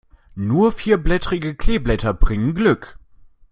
Nur vierblättrige Kleeblätter bringen Glück.